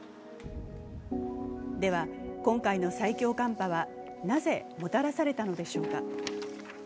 では、今回の最強寒波はなぜもたらされたのでしょうか。